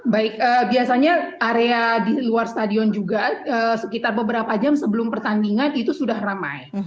baik biasanya area di luar stadion juga sekitar beberapa jam sebelum pertandingan itu sudah ramai